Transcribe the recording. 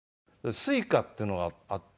Ｓｕｉｃａっていうのがあって。